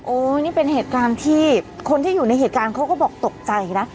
นี่เป็นเหตุการณ์ที่คนที่อยู่ในเหตุการณ์เขาก็บอกตกใจนะ